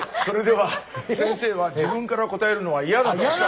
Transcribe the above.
それでは先生は自分から答えるのは嫌だと。